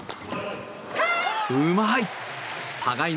うまい！